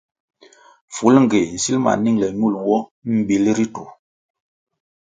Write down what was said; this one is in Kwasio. Fulngéh nsil ma ningle ñul nwo mbíl ritu.